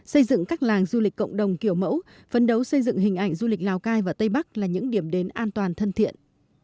xây dựng các làng du lịch cộng đồng kiểu mẫu phấn đấu xây dựng hình ảnh du lịch lào cai và tây bắc là những điểm đến an toàn thân thiện